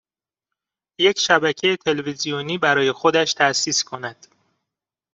یک شبکه تلویزیونی برای خودش تاسیس کند